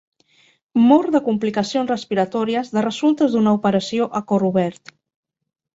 Mor de complicacions respiratòries de resultes d'una operació a cor obert.